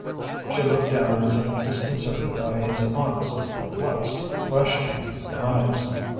She looked down as if disconcerted by his honest, perplexed, questioning eyes.